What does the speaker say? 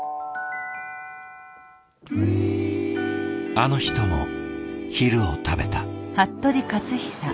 あの人も昼を食べた。